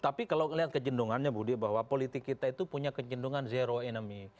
tapi kalau melihat kecenderungannya budi bahwa politik kita itu punya kecendungan zero enemy